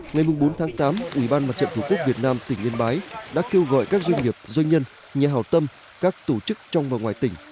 ngày bốn tháng tám ubnd việt nam tỉnh yên bái đã kêu gọi các doanh nghiệp doanh nhân nhà hào tâm các tổ chức trong và ngoài tỉnh